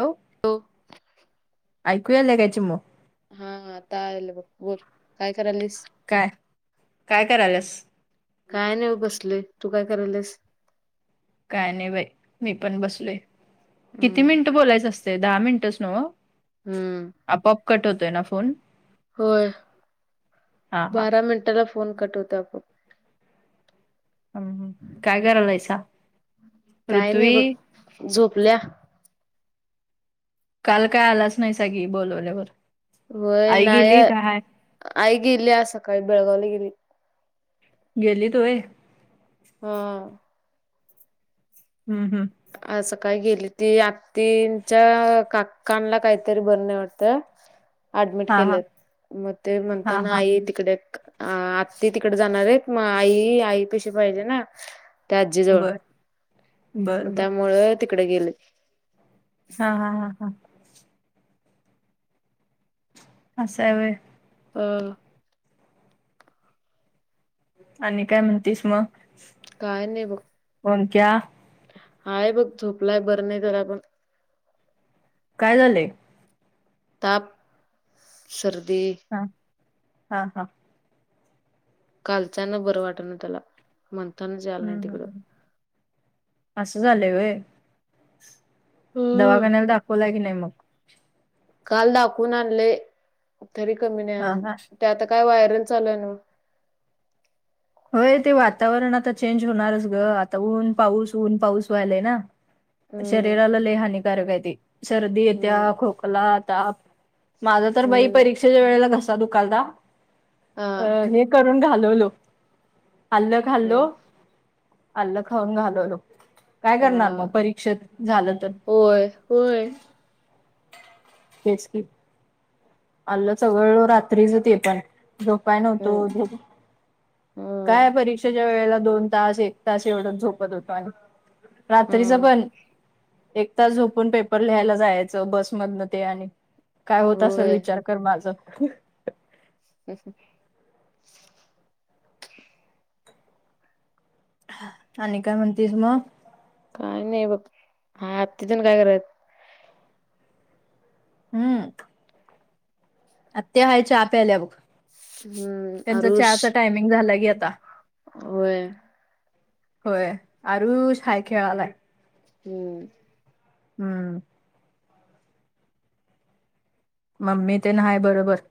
Hello [unintelligible] ऐकू यालयं काय चिमु? ह ह आता आलं बघ बोल. काय करालयंसं? काय काय करायल्यास? काय नाही, ब बसलोय तू काय करायल्यास? काय नाही बाई! मी पण बसलोय किती हम्म मिनिटं बोलायचं असतय दहा मिनिटचं नव्ह? हम्म आपोआप कट होतोय, ना फोन? होय, हा च हा बारा मिनिटाला फोन कट होतोय, आपोआप. ह ह, काय करायलायसा? काय काही, पृथ्वी बघ झोपल्या? काल काय आलाच नाहीसा? होय आई नाही, गेली का हाय आई गेल्या सकाळी बेळगावला गेली. गेलीत होय. ह हम हम. आज सकाळी गेली, ती आत्तीच्या काकांला काहीतर बरं नाही वाटतं. [inaudible] अऍडमिट हा हा केलेत, मग ते हा म्हणताना हा आई तिकडे अ आत्ती तिकडे जाणार आहेत, मग आई आई पाशी पाहिजे ना, त्या आजी जवळ. बर बर मग बर त्यामुळं तिकडे गेले. हा हा हा हा. असयं व्हय. अ ह्. आणि काय म्हणतेस मग? काय नाही बघ. [unintelligible] हाय, बघं झोपलाय बरं नाही त्याला पण. काय झालंय. ताप, सर्दी छान हा हा. कालचां ना बरं वाट ना त्याला [unintelligible] ह ह ह हम असं झालंयं व्हयं? हम्म दवाखान्याला दाखवला की नाही मग? काल दाखवून आणलयं तरी कमी नाही, हा अजून हा ते आता काय वायरल चालूयं नव्ह? होय ते वातावरण आता चेंज होणारच ग आता ऊन पाऊस ऊन पाऊस व्हायलाय ना. हम्म शरीराला लले हानिकारक आहे ते सर्दी येत्या हम्म खोकला, ताप. माझं तर बाई हम्म परीक्षेच्या वेळेला घसा दुखालथा हा अ हे करून घालवलो. अल्लं अ खाल्लो, अल्लं खाऊन घालवलो. काय करणार मग परीक्षेत झालं तर. होय. व्होय. हेच की. आलं चगळं रात्रीचं ते पण झोपाय हम्म नव्हतो. हम्म काय परीक्षेच्या वेळेला दोन तास एक तास एवढं झोपत होतो आणि रात्रीच हम्म पण. एक तच झोपून पेपर लिहायला जायचं बसमधनं ते आणि काय होत असेल होय विच विचार कर माझं हम् [inaudible] हम आणि काय म्हणतीस मग. काय नाही बघ, हा आ तिथून काय करत. हम्म. आ ते हाय चहा प्यायल्यावर हम्म त्यांचा आरुष चहाचा टायमिंग झाला की आता. होय. होय आरुष हाय खेळायलाय. हम्म. हम्म. मम्मी ते हाय बरोबर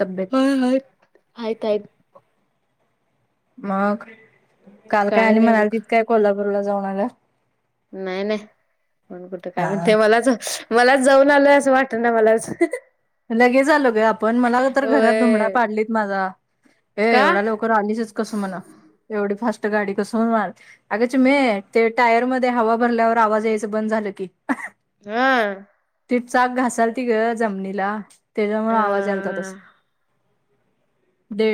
तब्येत हाय हाय. आहेत आहेत मग काल काय आणि नाही बघ म्हणाल तित काय कोल्हापूरला जाऊन आला. नाही नाही म्हण कुठतं काय हा म्हणते मलाच मला जाऊन आलंय असं वाटत ना मलाच. लगेच आलो ग आपण मला तर घरात धुमडा होय पाडलीत माझा. ए का एवढा लोकं आलीचच कसं म्हणा एवढी फास्ट गाडी कसं म्हण अग चिमणे टायर मध्ये हवा भरल्यावर आवाज यायच बंद झालं की. हम. ती चाक घासायल ती ग जमनीला त्याच्यामुंळ अ आवाज यायला ता तसा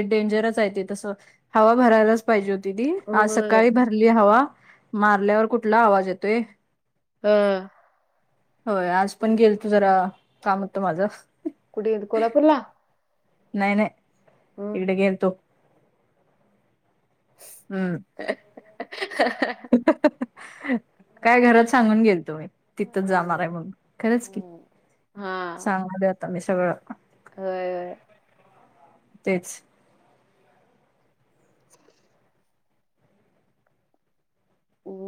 डेंजरच आहे ते तसं हवा भरायलाच पाहिजे. तदी आज होय सकाळी भरली हवा मारल्यावर कुठला आवाज येतोय. हम होय आज पण गेल तू जरा, कामत माझं. कुठे गेलती कोल्हापूरला? नाही नाही हम्म. इकडे गेल तो. हम्म हा हा. ह. काय घरात सांगून गेल तुम् तिथच जाणार आहे म्हणून खरंच की हा. आम्ही सगळ. अ तेच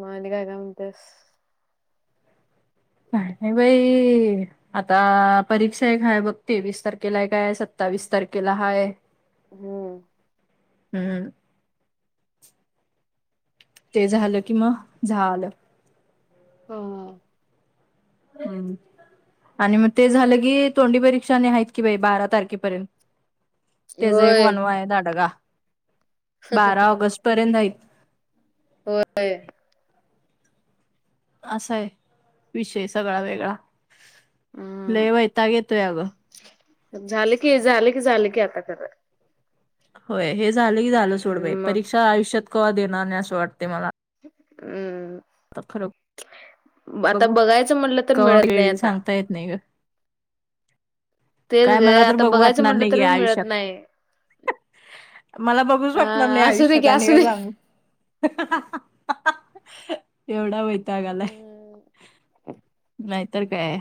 मा आणि काय म्हणत्या. नाही नाही बाई. आता परीक्षा आहे काय बघ तेवीस तारखेला आहे काय सत्तावीस तारखेला हाय. हम्म. हम्म. ते झालं कि म झा आलं. हो. हम्. आणि मग ते झालं की तोंडी परीक्षा नाही आहेत की बा बारा तारखेपर्यंत त्याचा एक होय वनवा आहे दधडगा होय. असा आहे विषय सगळा वेगळा ल हम्म वैता घेतोय अगं. झालं की झालं की झालं की आता खरं. होय हे झालं की झालं सोडबाई मग परीक्षा आयुष्यात कव्हा देणार नाही असं वाटते मला आता खरं हम्म आता बघायचं म्हटलं तर मिळत नाही आता ता येत नाही का? तेच काय ग मला तर आता बघू बघायचं वाटणार म्हटलं नाही गे तर मिळत आयुष्यात नाही मला बघूच अ वाटणार नाही असू दे आयुष्यात की आणि असू का दे जाण. एवढा वैतागालाय नाहीतर काय?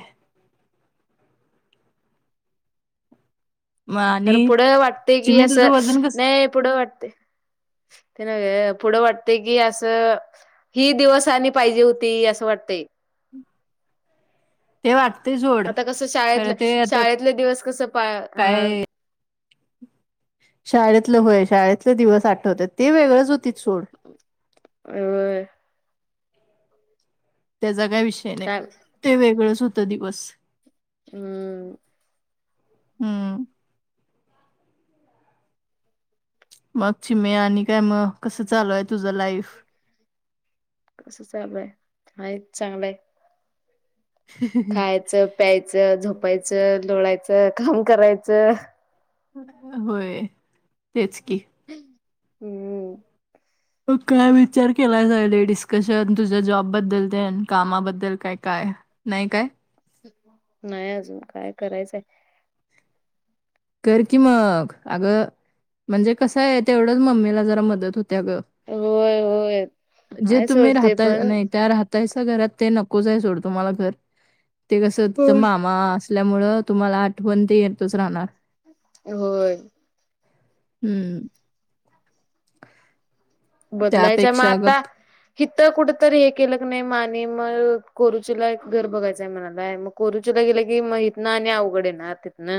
मग खरं आणि पुढं वाटते कि चिमे तुझं असं वजन कस नाही पुढं वाटते. ते न पुढं वाटते की असं. ही दिवसनी पाहिजे होती असं वाटते. ते वाटते. आता कसं शाळेतलं खरं ते आता शाळेतले दिवस कसं पा अ काय शाळेतलं होय शाळेतले दिवस आठवत ते वेगळंच होती सोड. अ. त्याचा काय विषय नाही काय ते वेगळंच होतं दिवस हम्म. हम्म. मग चि मे आणि काय मग कसं चालूय तुझं लाईफ कसं चालूय ह चांगलंय. खायचं प्यायचं झोपायचं लोळाायचं काम करायचं. होय तेच की हम्म. ग काय विचार केला जाईल डिस्कशन तुझ्या जॉबबद्दल ते कामाबद्दल काय काय? नाही काय? नाही अजून काय करायचंय? कर की मग अगं म्हणजे कसं आहे तेवढं मम्मीला जरा मदत होते अ गं. होय होय जे हाय तुम्ही सोड ते राहताय पण आणि त्या राहता. त्यास घरात ते नकोच आहे सोडतुमला घर ते कसं तिथं होय मामा असल्यामुळे तुम्हाला आठवणंत येतच राहणार. होय. हम्म. बदलायचां मग त्यापेक्षा आता गप किथ कुठ तरी हे केलं क नाही मा आणि मग कोरुचीला घर बघायचंय म्हणालाय मग करूच गेलं की माहित ना आणि अवघड ना तिथन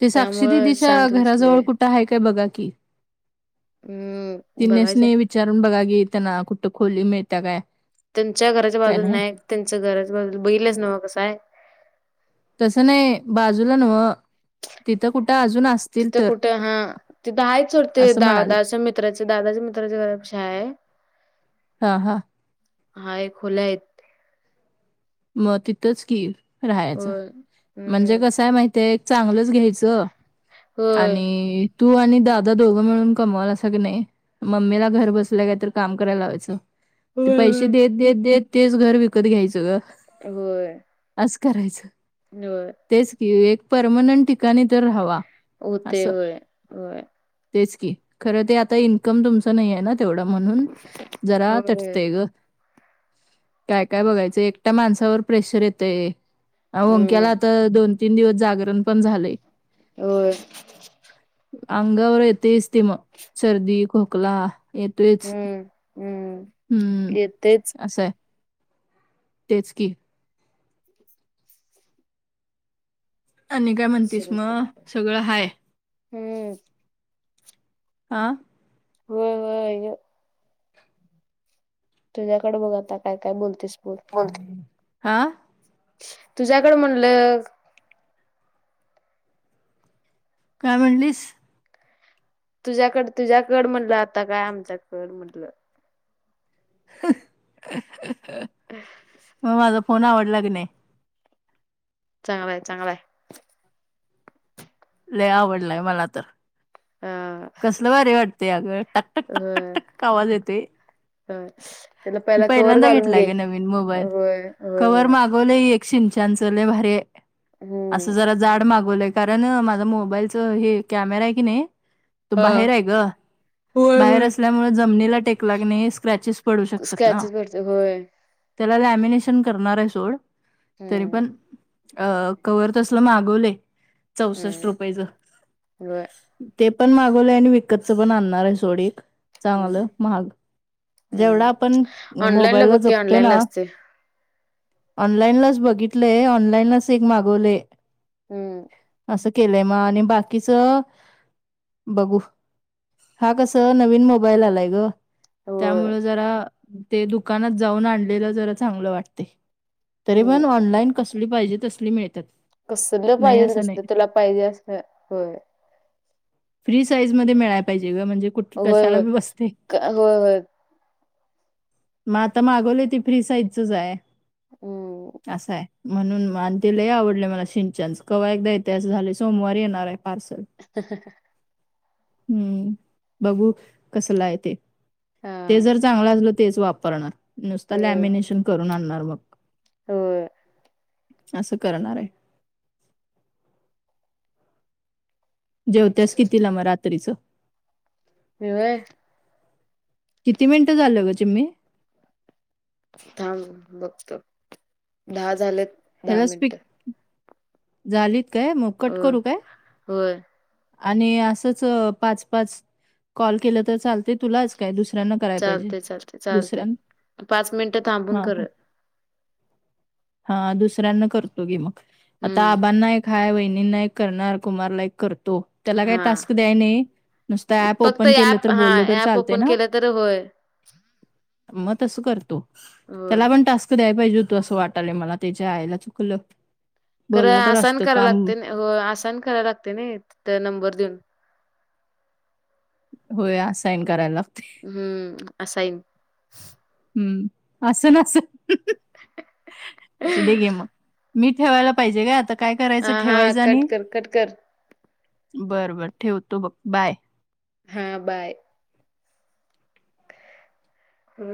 ते साक्षी दिदीच्या शांत बसलोय घराजवळ कुठं आहे काय बघा की हम्म. तिने बघायचंय स्नेह विचारून बघा घेताना कुठं खोली मिळता काय? त्यांच्या घराच्या बाजू नाही त्यांच घराच्या बाजू बहिलेच नव कस आहे. तसं नाही बाजूला न्हव, तिथं कुठं अजून असत. तिथं कुठं हा तिथं आहे सोडते. असं म्हणाले दादाच्या मित्राचे दादाच्या मित्राच्या घरापाशी आहे. हा हा हाय, खुल्या आहेत. मग तिथेच की, राहायचं होय म्हणजे हम्म कसा आहे. माहिती एक चांगलंच घ्यायचं. होय. आणि तू आणि दादा दोघं म्हणून कमवालाय सा का नाही. मम्मीला घर बसल्या, काय तर काम करायला लावायचं. ते होय पैसे होय. देत देत देत तेच घर विकत घ्यायचं ग. होय, असं करायचं. [inaudible] तेच कि, एक परमनंट ठिकाणी तर राहावा. हो ते असं. होय होय. तेच की, खरं ते आता इन्कम तुमचं नाही आहे. ना तेवढं म्हणून जरा होय. तटय ग. काय काय बघायचं, एकट्या माणसावर प्रेशर येतय. ओमक्याला हम्म आता दोन -तीन दिवस जागरण पण झालय. होय. अंगावर येतेस मग सर्दी, खोकला. येतोयच, हम्म हम्म हम्म येतेच. अस आहे. तेच की, आणि काय म्हणतीस, मग सगळं हाय. हम्म हा व्हय व्हय व्हय व्हय तुझ्याकडे बघ, आता काय काय बोलतेस बघ. बोल हा तुझ्याकड म्हटलं. काय म्हणलीस. तुझ्याकड, तुझ्याकड म्हटलं. आता काय आमच्याकड म्हटलं. [unintelligible] [unintelligible] मग माझा फोन आवडला का नाही. चांगलाय, चांगलाय लय, आवडलाय मला तर, अ कसलं भारी वाटते. अगं टक, टक, टक,, टकक आवाज येतोय. ह त्याला पहिला कवर पहिल्यांदा घालून घेतलाय घे, ग नवीन मोबाईल होय होय होय [unintelligible] हम्म असं जरा जाड मागवलंय, कारण माझ्या मोबाईलच हे कॅमेरा आहे की नाही. तो हा बाहेर आहे. ग होय बाहेर होय. असल्यामुळे जमिनीला टेकला का नाही क्रॅचेस पडू शकतो. क्रॅचेस पडतात होय. त्याला लॅमिनेशन करणार आहे. सोड तरी हम्म. पण, अ कव्हर तसल मागवले चौसष्ट हम्म रुपयेच. व्हय ते पण मागवलंय आणि विकतच पण आणणार आहे. सोड एक, चांगलं हम्म महाग जेवढा हम्म आपण ऑनलाईन मोबाईल ला बघ की जपतोय ऑनलाईन ला ना, असते. ऑनलाईन लाच बघितलेय, ऑनलाईन लाच एक मागवले. हम असं केलंय मग आणि बाकीच. बघू हा कस नवीन मोबाईल आलाय ग. होय त्यामुळ जरा ते दुकानात जाऊन आणलेलं जरा चांगलं वाटते. तरी पण हम्म ऑनलाइन कसली पाहिजे तसली मिळतात. कसलं नाही पाहिजे असं तस नाही तर तुला पाहिजे अस हो. फ्री साईज मध्ये मिळायला पाहिजे ग म्हणजे कुठ कशालाी बसते. हो हो. मग आता मागवले ती फ्री साइजचच आहे हम्म असं आहे. म्हणून आणि तिलाही आवडलं मला सिंचनच कव्हा एकदा इतिहास झाले सोमवार येणार आहे पार्सल ह. हम्म बघू कसलाय ते ते हा जर चांगलं असलं तेच वापरणार नुसत लॅमिनेशन करून आणणार मग हो. असं करणार आहे. जेवत्यास किती ला म रात्रीच ववय. किती मिनिटं झालं ग तुम्ही? थांब बघत दहा झालेत. दहा हॅलो स्पी मिनिटं झालीत काय मग कट होय करू काय? होय. आणि असंच पाच पाच कॉल केलं तर चालते तुलाच? काय दुसऱ्यांना करायला पाहिजे चालतंय चालतंय चालतंय दुसऱ्यां पाच मिनिटं थांबून हा कर ह. हा दुसऱ्यांना करतो गी मग आता हम्म आबांना काय वहिणींना एक करणार कुमारला एक करतो त्याला काही हा टास्क द्याय नाही. नुसतं ऍप फक्त ओपन केलं तर ऍप हा बोललं तर ऍप चालत ओपन ना. केलं तर होय मग तस करतो होय त्याला पण टास् कध्याय पाहिजे होत असं वाटालंय मला त्याच्या आयला चुकलं. खरा बोललं तर आसान असतं कराय काम लागते हो आन करायला लागते ना नंबर देऊन हो या साइन करायला लागत. हम्म अस आहे. हम्म असं नासं. अस दे गे मग मी ठेवायला पाहिजे का आता काय करायचं हां, हां, ठेवायचं कट आणि कर, कट कर. बर बर ठेवतो बघ बाय. हा बाय. हो.